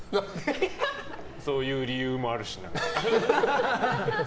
そういう理由もあるし。